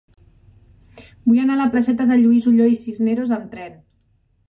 Vull anar a la placeta de Lluís Ulloa i Cisneros amb tren.